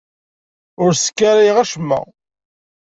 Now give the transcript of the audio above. Ur sskarayeɣ acemma.